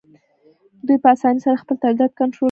دوی په اسانۍ سره خپل تولیدات کنټرول کړل